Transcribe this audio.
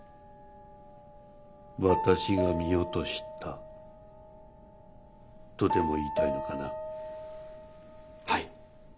私が見落としたとでも言いたいのかな？